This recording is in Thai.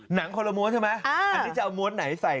หนังคนละม้วนใช่ไหมอันนี้จะเอาม้วนไหนใส่